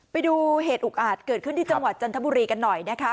ไปดูเหตุอุกอาจเกิดขึ้นที่จังหวัดจันทบุรีกันหน่อยนะคะ